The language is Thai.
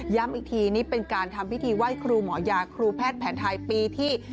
อีกทีนี่เป็นการทำพิธีไหว้ครูหมอยาครูแพทย์แผนไทยปีที่